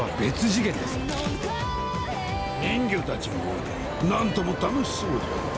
「人魚たちもおる何とも楽しそうじゃな」